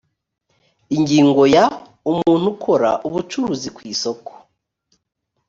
ingingo ya umuntu ukora ubucuruzi ku isoko